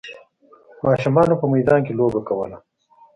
ماشومانو په میدان کې لوبه کوله.